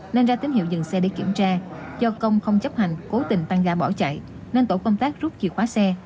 nên ra tín hiệu dừng xe để kiểm tra do công không chấp hành cố tình tăng ga bỏ chạy nên tổ công tác rút chìa khóa xe